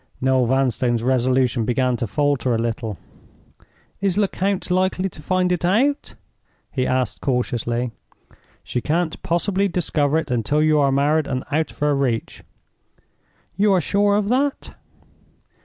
Noel Vanstone's resolution began to falter a little. "Is Lecount likely to find it out?" he asked cautiously. "She can't possibly discover it until you are married and out of her reach." "You are sure of that?"